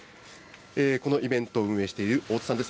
このイベントを運営している大津さんです。